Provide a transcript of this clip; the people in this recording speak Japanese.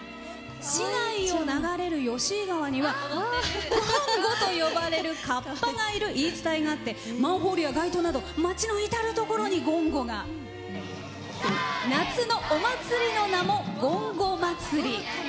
市内を流れる吉井川には「ごんご」と呼ばれるかっぱがいる言い伝えがあってマンホールや街灯など街の至る所に「ごんご」が。夏のお祭りの名もごんごまつり。